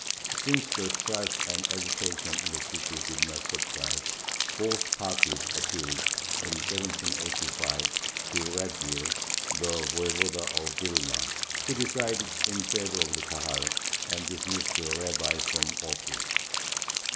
Since the strife and agitation in the city did not subside, both parties appealed, in 1785, to Radziwill, the Voyevoda of Vilna, who decided in favor of the Kahal, and dismissed the Rabbi from office.